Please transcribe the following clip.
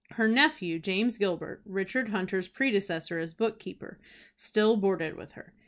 Her nephew, James Gilbert, Richard Huntley's predecessor as book keeper, still boarded with her.